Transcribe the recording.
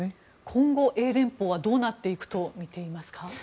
今後、英連邦はどうなっていくとみていますか。